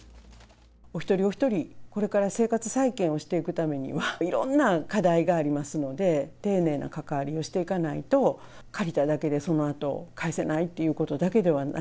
お一人お一人、これから生活再建をしていくためには、いろんな課題がありますので、丁寧な関わりをしていかないと、借りただけで、そのあと返せないということだけではない。